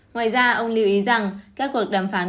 ngoài ra ông lưu ý rằng các cuộc đàm phán